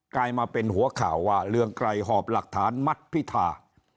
กลายมาเป็นหัวข่าวว่าเรืองไกรหอบหลักฐานมัดพิธา